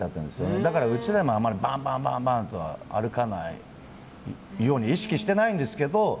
だから、うちでも、あんまりバンバンとは歩かないように意識していないんですけど。